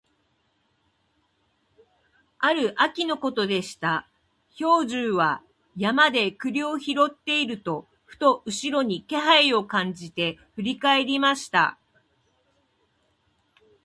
ある秋のことでした、兵十は山で栗を拾っていると、ふと後ろに気配を感じて振り返りました。